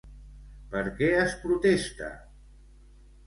Per què es protesta?